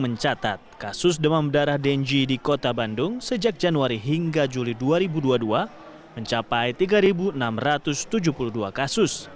mencatat kasus demam darah denji di kota bandung sejak januari hingga juli dua ribu dua puluh dua mencapai tiga enam ratus tujuh puluh dua kasus